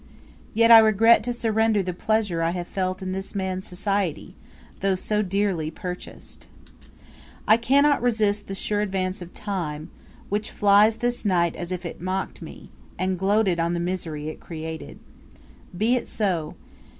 Yet, I regret to surrender the pleasure I have felt in this man's society, though so dearly purchased. I cannot resist the sure advance of time, which flies this night as if it mocked me, and gloated on the misery it created! Be it so!